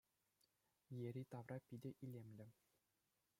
Йӗри-тавра питӗ илемлӗ.